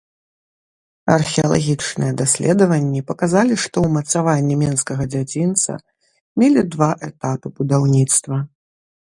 Археалагічныя даследаванні паказалі, што ўмацаванні менскага дзядзінца мелі два этапы будаўніцтва.